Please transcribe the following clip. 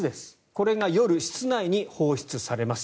これが夜、室内に放出されます。